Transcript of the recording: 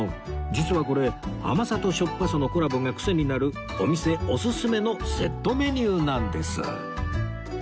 実はこれ甘さとしょっぱさのコラボがクセになるお店オススメのセットメニューなんです